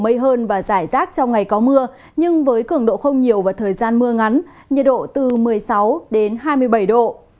thời gian mưa ngắn nhiệt độ từ một mươi sáu đến hai mươi bảy độ